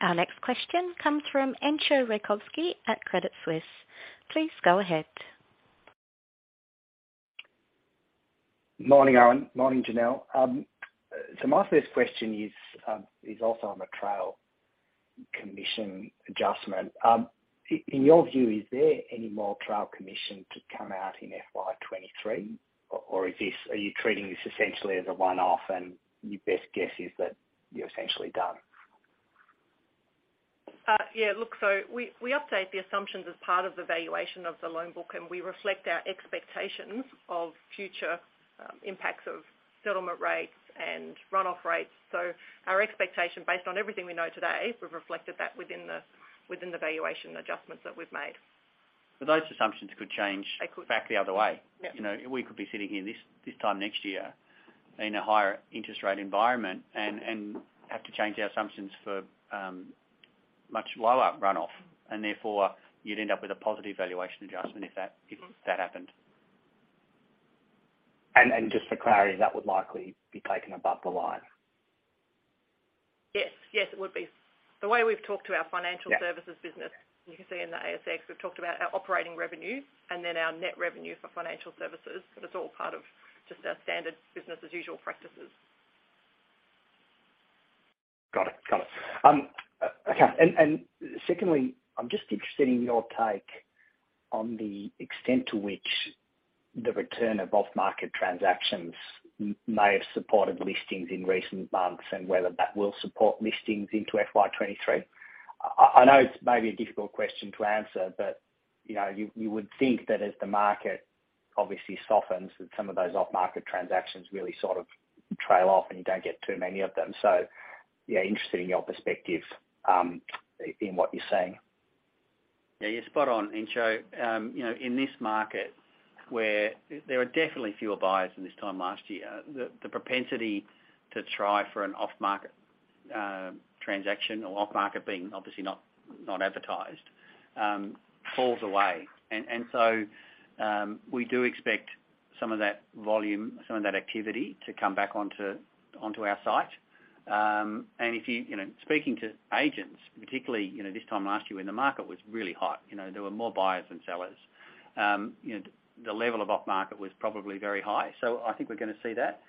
S1: Our next question comes from Entcho Raykovski at Credit Suisse. Please go ahead.
S8: Morning, Owen. Morning, Janelle. My first question is also on the trail commission adjustment. In your view, is there any more trail commission to come out in FY 2023? Or is this, are you treating this essentially as a one-off and your best guess is that you're essentially done?
S4: Yeah, look, we update the assumptions as part of the valuation of the loan book, and we reflect our expectations of future impacts of settlement rates and run-off rates. Our expectation, based on everything we know today, we've reflected that within the valuation adjustments that we've made.
S3: Those assumptions could change.
S4: They could.
S3: Back the other way.
S4: Yeah.
S3: You know, we could be sitting here this time next year in a higher interest rate environment and have to change our assumptions for much lower run-off, and therefore you'd end up with a positive valuation adjustment if that.
S4: Mm-hmm.
S3: If that happened.
S8: Just for clarity, that would likely be taken above the line.
S4: Yes. Yes, it would be. The way we've talked to our financial services business.
S8: Yeah.
S4: You can see in the ASX, we've talked about our operating revenues and then our net revenue for financial services, but it's all part of just our standard business as usual practices.
S8: Got it. Okay. Secondly, I'm just interested in your take on the extent to which the return of off-market transactions may have supported listings in recent months and whether that will support listings into FY 2023. I know it's maybe a difficult question to answer, but you know, you would think that as the market obviously softens, that some of those off-market transactions really sort of trail off and you don't get too many of them. Yeah, interested in your perspective, in what you're seeing.
S3: Yeah, you're spot on, Entcho. You know, in this market, where there are definitely fewer buyers than this time last year, the propensity to try for an off-market transaction or off-market being obviously not advertised falls away. We do expect some of that volume, some of that activity to come back onto our site. If you know, speaking to agents, particularly, you know, this time last year when the market was really hot, you know, there were more buyers than sellers, you know, the level of off-market was probably very high. I think we're gonna see that.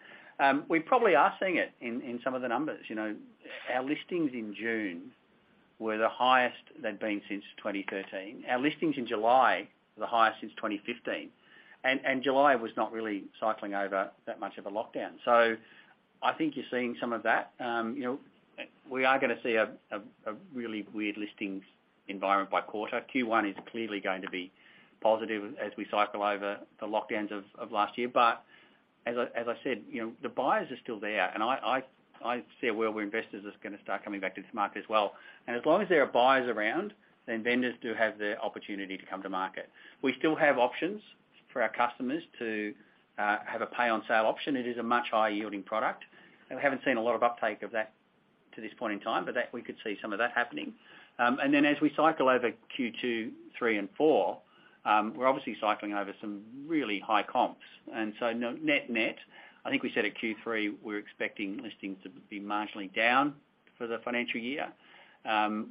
S3: We probably are seeing it in some of the numbers. You know, our listings in June were the highest they'd been since 2013. Our listings in July were the highest since 2015. July was not really cycling over that much of a lockdown. I think you're seeing some of that. You know, we are gonna see a really weird listings environment by quarter. Q1 is clearly going to be positive as we cycle over the lockdowns of last year. As I said, you know, the buyers are still there. I see a world where investors are gonna start coming back to this market as well. As long as there are buyers around, then vendors do have the opportunity to come to market. We still have options for our customers to have a pay on sale option. It is a much higher yielding product, and we haven't seen a lot of uptake of that to this point in time, but that we could see some of that happening. As we cycle over Q2, Q3 and Q4, we're obviously cycling over some really high comps. No net, I think we said at Q3, we're expecting listings to be marginally down for the financial year,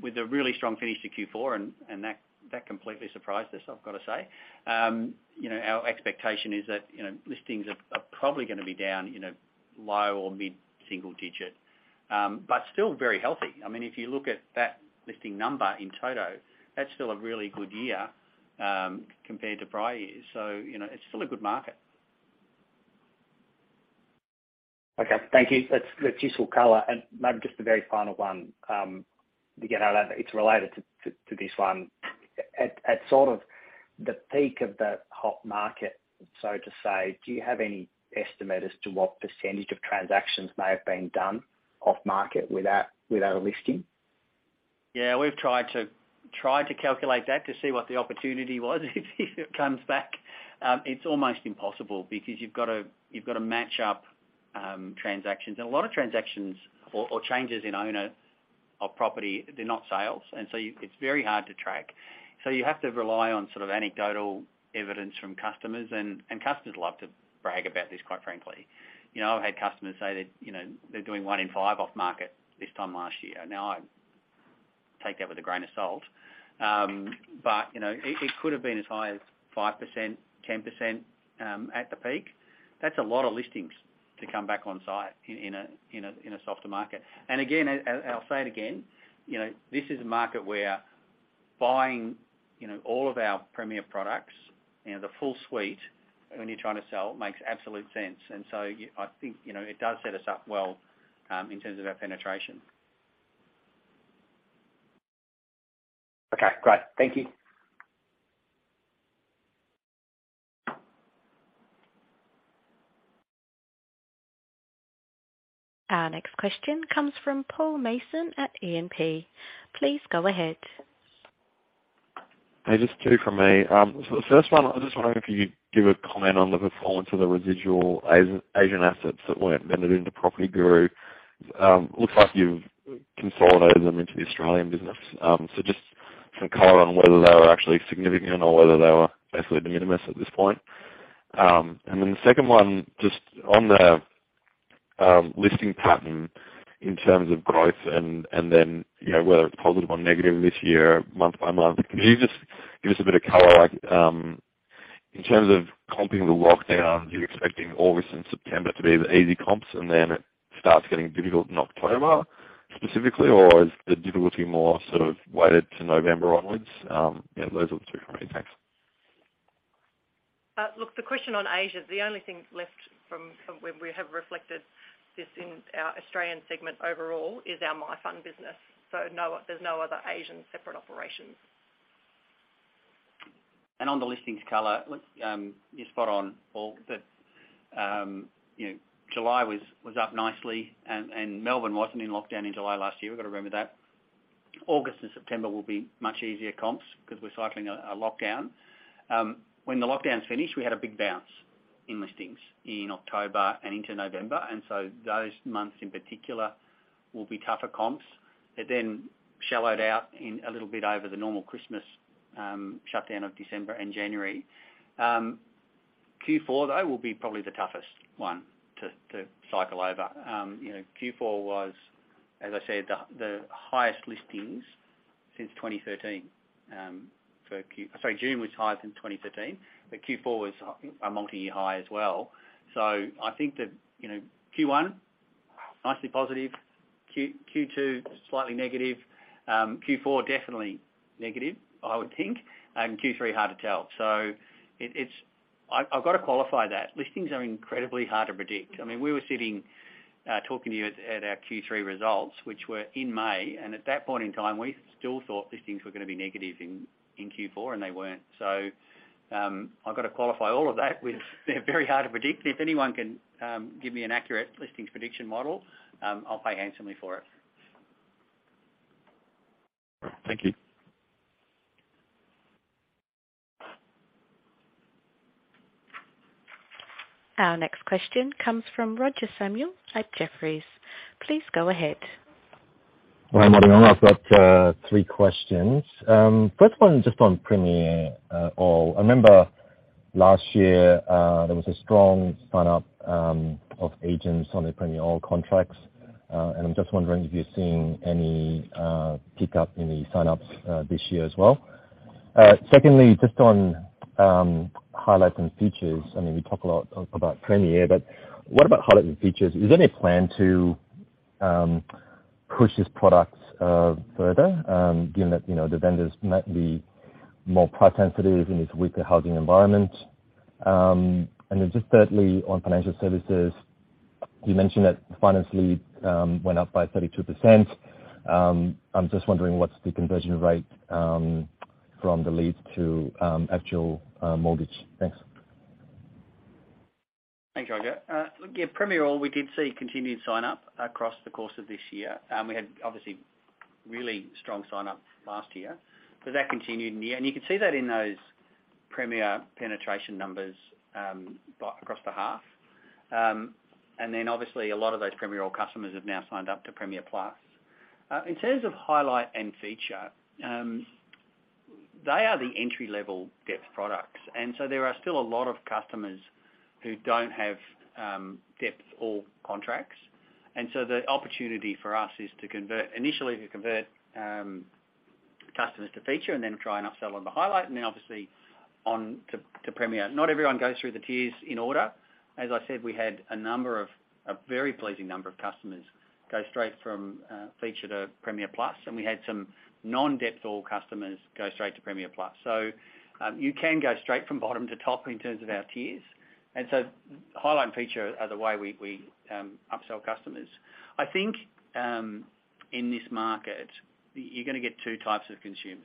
S3: with a really strong finish to Q4, and that completely surprised us, I've got to say. You know, our expectation is that, you know, listings are probably gonna be down in a low or mid-single digit, but still very healthy. I mean, if you look at that listing number in total, that's still a really good year, compared to prior years. You know, it's still a good market.
S8: Okay, thank you. That's useful color. Maybe just the very final one, again, it's related to this one. At sort of the peak of the hot market, so to say, do you have any estimate as to what percentage of transactions may have been done off-market without a listing?
S3: Yeah, we've tried to calculate that to see what the opportunity was if it comes back. It's almost impossible because you've got to match up transactions. A lot of transactions or changes in owner of property, they're not sales, and so it's very hard to track. You have to rely on sort of anecdotal evidence from customers, and customers love to brag about this, quite frankly. You know, I've had customers say that, you know, they're doing one in five off-market this time last year. Now, I take that with a grain of salt. You know, it could have been as high as 5%, 10%, at the peak. That's a lot of listings to come back on site in a softer market. I'll say it again, you know, this is a market where buying, you know, all of our Premiere products, you know, the full suite when you're trying to sell makes absolute sense. I think, you know, it does set us up well, in terms of our penetration.
S8: Okay, great. Thank you.
S1: Our next question comes from Paul Mason at E&P. Please go ahead.
S9: Hey, just two from me. So the first one, I'm just wondering if you could give a comment on the performance of the residual Asian assets that weren't vetted into PropertyGuru. Looks like you've consolidated them into the Australian business. So just some color on whether they were actually significant or whether they were basically de minimis at this point. And then the second one, just on the listing pattern in terms of growth and then, you know, whether it's positive or negative this year, month by month. Can you just give us a bit of color in terms of comping the lockdown, you're expecting August and September to be the easy comps, and then it starts getting difficult in October specifically? Or is the difficulty more sort of weighted to November onwards? Yeah, those are the two from me. Thanks.
S4: Look, the question on Asia, the only thing left from when we have reflected this in our Australian segment overall is our MyFun business. No, there's no other Asian separate operations.
S3: On the listings color, you're spot on, Paul, that, you know, July was up nicely and Melbourne wasn't in lockdown in July last year. We've got to remember that. August and September will be much easier comps because we're cycling a lockdown. When the lockdowns finished, we had a big bounce in listings in October and into November, and so those months in particular will be tougher comps. It then shallowed out in a little bit over the normal Christmas shutdown of December and January. Q4, though, will be probably the toughest one to cycle over. You know, Q4 was, as I said, the highest listings since 2013. Sorry, June was higher than 2013, but Q4 was a multi-year high as well. I think that, you know, Q1, nicely positive, Q2, slightly negative, Q4, definitely negative, I would think, and Q3, hard to tell. It's. I've got to qualify that. Listings are incredibly hard to predict. I mean, we were sitting talking to you at our Q3 results, which were in May, and at that point in time, we still thought listings were gonna be negative in Q4, and they weren't. I've got to qualify all of that with they're very hard to predict. If anyone can give me an accurate listings prediction model, I'll pay handsomely for it.
S9: Thank you.
S1: Our next question comes from Roger Samuel at Jefferies. Please go ahead.
S10: Hi, morning all. I've got three questions. First one just on Premiere All. I remember last year there was a strong sign-up of agents on the Premiere All contracts, and I'm just wondering if you're seeing any pick-up in the sign-ups this year as well. Secondly, just on Highlight and Feature. I mean, we talk a lot about Premiere, but what about Highlight and Feature? Is there any plan to push these products further given that, you know, the vendors might be more price sensitive in this weaker housing environment? Then just thirdly, on financial services, you mentioned that finance lead went up by 32%. I'm just wondering what's the conversion rate from the leads to actual mortgage. Thanks.
S3: Thanks, Roger. Yeah, Premiere All, we did see continued sign-up across the course of this year. We had obviously really strong sign-up last year, but that continued in the year. You can see that in those Premiere penetration numbers, across the half. Then obviously a lot of those Premiere All customers have now signed up to Premiere+. In terms of Highlight and Feature, they are the entry level depth products. There are still a lot of customers who don't have depth or contracts. The opportunity for us is to convert, initially customers to Feature and then try and upsell them to Highlight and then obviously on to Premiere. Not everyone goes through the tiers in order. As I said, we had a number of, a very pleasing number of customers go straight from Feature to Premiere+, and we had some non-DIY customers go straight to Premiere+. You can go straight from bottom to top in terms of our tiers. Highlight and Feature are the way we upsell customers. I think in this market, you're gonna get two types of consumers.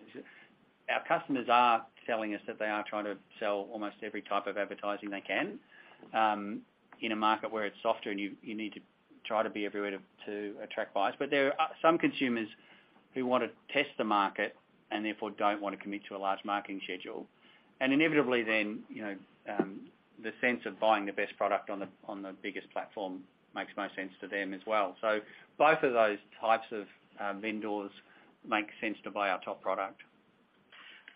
S3: Our customers are telling us that they are trying to sell almost every type of advertising they can in a market where it's softer and you need to try to be everywhere to attract buyers. There are some consumers who wanna test the market and therefore don't wanna commit to a large marketing schedule. Inevitably then, you know, the sense of buying the best product on the biggest platform makes most sense to them as well. Both of those types of vendors make sense to buy our top product.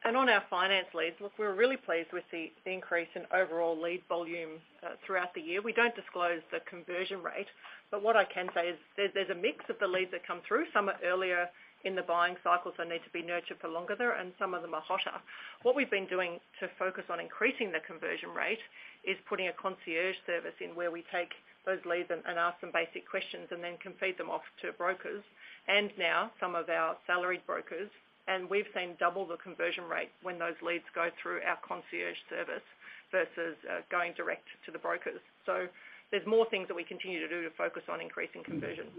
S4: On our finance leads, look, we're really pleased with the increase in overall lead volume throughout the year. We don't disclose the conversion rate, but what I can say is there's a mix of the leads that come through. Some are earlier in the buying cycles that need to be nurtured for longer there, and some of them are hotter. What we've been doing to focus on increasing the conversion rate is putting a concierge service in where we take those leads and ask some basic questions and then can feed them off to brokers and now some of our salaried brokers. We've seen double the conversion rate when those leads go through our concierge service versus going direct to the brokers. There's more things that we continue to do to focus on increasing conversions.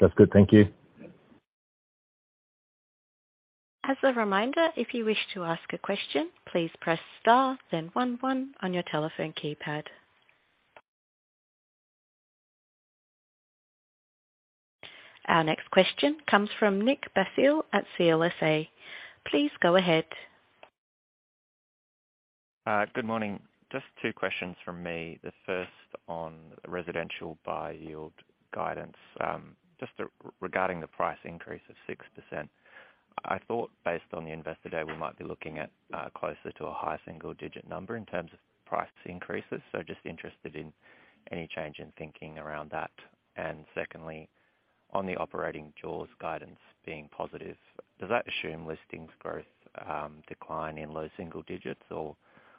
S9: That's good. Thank you.
S1: As a reminder, if you wish to ask a question, please press star then one one on your telephone keypad. Our next question comes from Nick Basile at CLSA. Please go ahead.
S11: Good morning. Just two questions from me. The first on residential buy yield guidance. Just regarding the price increase of 6%. I thought based on the Investor Day, we might be looking at closer to a high single digit number in terms of price increases. Just interested in any change in thinking around that. Secondly, on the operating jaws guidance being positive, does that assume listings growth decline in low single digits? Or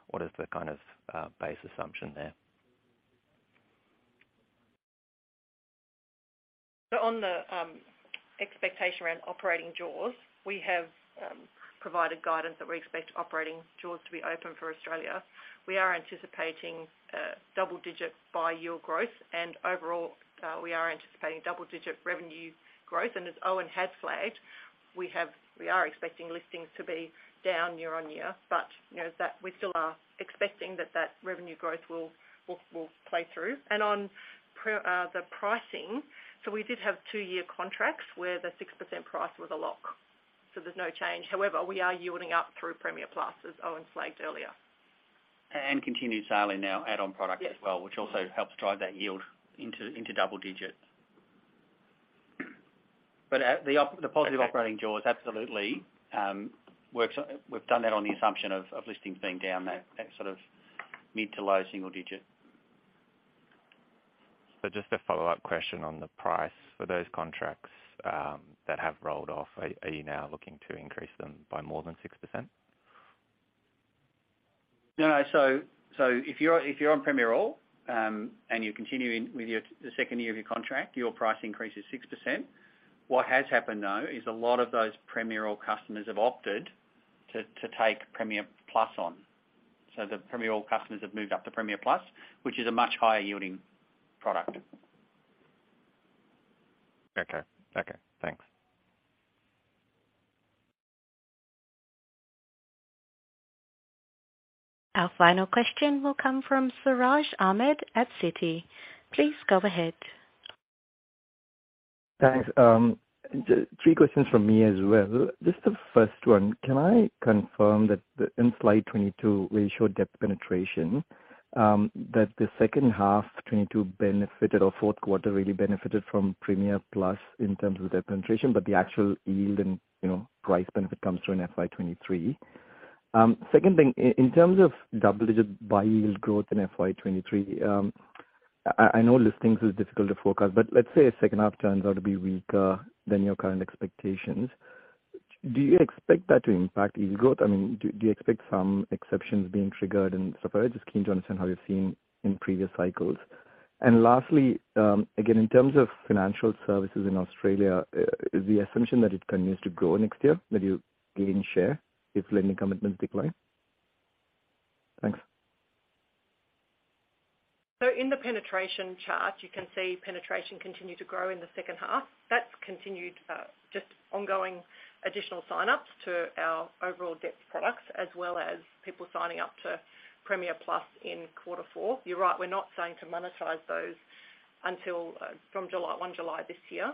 S11: what is the kind of base assumption there?
S4: On the expectation around operating jaws, we have provided guidance that we expect operating jaws to be open for Australia. We are anticipating double-digit buyer yield growth and overall, we are anticipating double-digit revenue growth. As Owen has flagged, we are expecting listings to be down year-on-year, but you know that we still are expecting that revenue growth will play through. On the pricing, we did have two-year contracts where the 6% price was a lock, so there's no change. However, we are yielding up through Premiere+, as Owen flagged earlier.
S3: Continued selling our add-on product as well.
S4: Yes....
S3: which also helps drive that yield into double digits. The positive operating jaws, absolutely. We've done that on the assumption of listings being down that sort of mid- to low-single-digit.
S11: Just a follow-up question on the price for those contracts that have rolled off. Are you now looking to increase them by more than 6%?
S3: No. If you're on Premiere All and you're continuing with the second year of your contract, your price increase is 6%. What has happened, though, is a lot of those Premiere All customers have opted to take Premiere+ on. The Premiere All customers have moved up to Premiere+, which is a much higher yielding product.
S11: Okay. Thanks.
S1: Our final question will come from Siraj Ahmed at Citi. Please go ahead.
S12: Thanks. Three questions from me as well. Just the first one, can I confirm that in slide 22, where you show ad penetration, that the second half 2022 benefited or fourth quarter really benefited from Premiere+ in terms of their penetration, but the actual yield and, you know, price benefit comes through in FY 2023? Second thing, in terms of double-digit underlying yield growth in FY 2023, I know listings is difficult to forecast, but let's say a second half turns out to be weaker than your current expectations. Do you expect that to impact yield growth? I mean, do you expect some exceptions being triggered? Supposed, just keen to understand how you've seen in previous cycles. Lastly, again, in terms of financial services in Australia, is the assumption that it continues to grow next year, that you gain share if lending commitments decline? Thanks.
S4: In the penetration chart, you can see penetration continue to grow in the second half. That's continued, just ongoing additional sign-ups to our overall depth products, as well as people signing up to Premiere+ in quarter four. You're right, we're not saying to monetize those until from 1 July this year.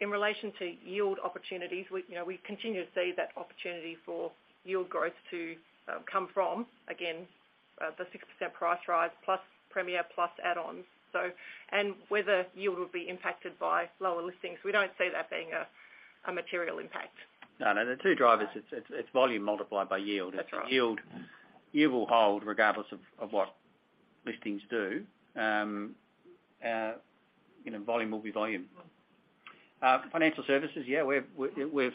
S4: In relation to yield opportunities, we you know continue to see that opportunity for yield growth to come from, again, the 6% price rise plus Premiere+ add-ons. Whether yield will be impacted by lower listings. We don't see that being a material impact.
S3: No, no. The two drivers, it's volume multiplied by yield.
S4: That's right.
S3: Yield will hold regardless of what listings do. You know, volume will be volume. Financial services, yeah, we've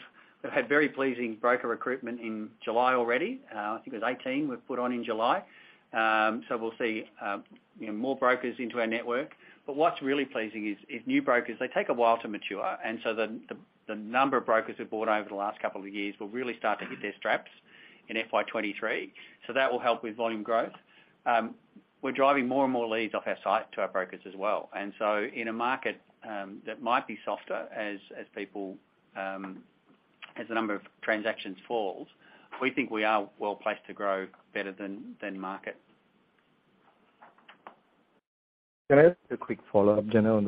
S3: had very pleasing broker recruitment in July already. I think it was 18 we've put on in July. We'll see, you know, more brokers into our network. What's really pleasing is new brokers, they take a while to mature. The number of brokers we've brought over the last couple of years will really start to hit their straps in FY 2023. That will help with volume growth. We're driving more and more leads off our site to our brokers as well. In a market that might be softer as the number of transactions falls, we think we are well-placed to grow better than market.
S12: Can I ask a quick follow-up, Janelle, on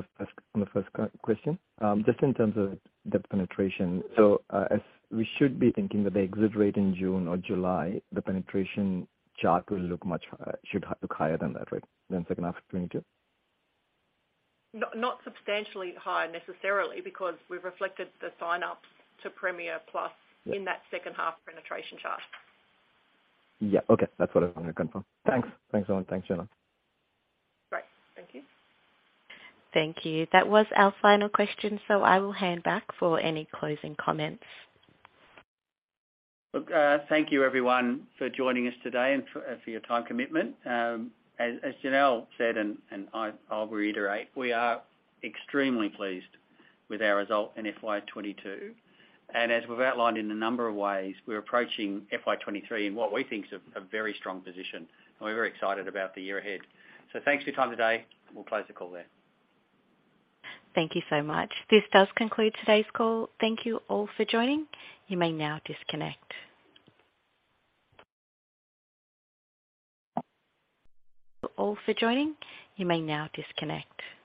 S12: the first question? Just in terms of the penetration. As we should be thinking that they accelerate in June or July, the penetration chart will look much higher, should look higher than that, right, than second half 2022?
S4: Not substantially higher necessarily, because we've reflected the sign-ups to Premiere+.
S12: Yeah.
S4: In that second half penetration chart.
S12: Yeah. Okay. That's what I wanted to confirm. Thanks. Thanks, Owen. Thanks, Janelle.
S4: Great. Thank you.
S1: Thank you. That was our final question, so I will hand back for any closing comments.
S3: Look, thank you everyone for joining us today and for your time commitment. As Janelle said, and I'll reiterate, we are extremely pleased with our result in FY 2022. As we've outlined in a number of ways, we're approaching FY 2023 in what we think is a very strong position, and we're very excited about the year ahead. Thanks for your time today. We'll close the call there.
S1: Thank you so much. This does conclude today's call. Thank you all for joining. You may now disconnect. Thank you all for joining. You may now disconnect.